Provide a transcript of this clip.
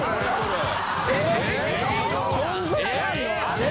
あれ？